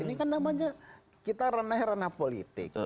ini kan namanya kita renah renah politik